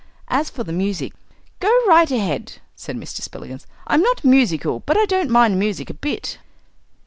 As for the music, "Go right ahead," said Mr. Spillikins; "I'm not musical, but I don't mind music a bit."